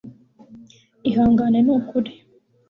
ihangane n'ukuri